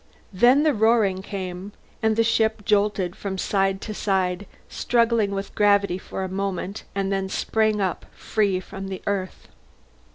Then the roaring came, and the ship jolted from side to side, struggled with gravity for a moment, and then sprang up free from the Earth.